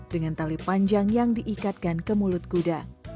dengan tali panjang yang diikatkan ke mulut kuda